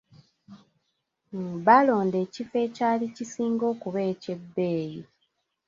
Baalonda ekifo ekyali kisinga okuba eky'ebbeyi.